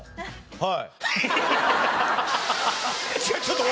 はい。